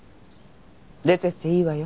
出ていっていいわよ。